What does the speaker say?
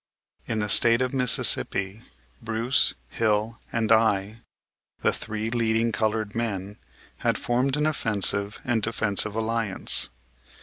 In the State of Mississippi Bruce, Hill and I, the three leading colored men, had formed an offensive and defensive alliance.